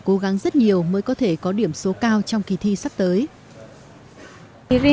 cố gắng rất nhiều mới có thể có điểm số cao trong kỳ thi sắp tới